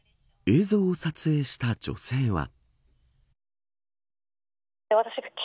映像を撮影した女性は。